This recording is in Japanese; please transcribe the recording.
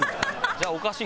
じゃあおかしい。